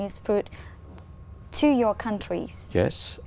đến đất nước anh không